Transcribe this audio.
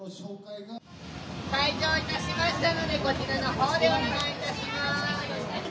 開場いたしましたのでこちらのほうでお願いいたします。